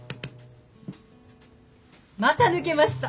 また抜けました。